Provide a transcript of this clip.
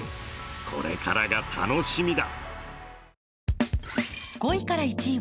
これからが楽しみだ。